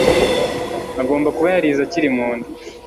agomba kuba yarize akiri munda